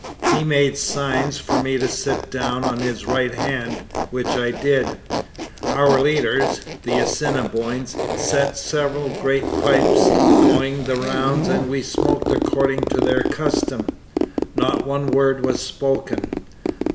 He made signs for me to sit down on his right hand, which I did. Our leaders [the Assiniboines] set several great pipes going the rounds and we smoked according to their custom. Not one word was spoken.